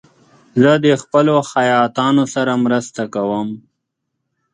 زه د خپلو خیاطیو سره مرسته کوم.